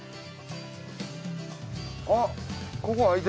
あっ！